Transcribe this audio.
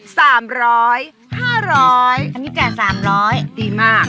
สามร้อยห้าร้อยอันนี้แก่สามร้อยดีมาก